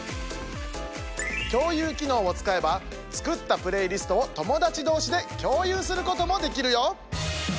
共有機能を使えば作ったプレイリストを友達同士で共有することもできるよ！